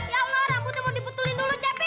ya allah rambutnya mau diputulin dulu tp